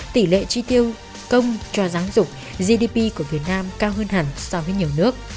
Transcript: tỷ lệ chi tiêu công cho giáo dục gdp của việt nam cao hơn hẳn so với nhiều nước